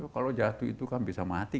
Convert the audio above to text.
kalau jatuh itu kan bisa mati